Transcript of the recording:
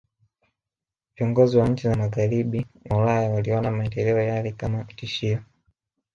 Viongozi wa nchi za Magharibi mwa Ulaya waliona maendeleo yale kama tishio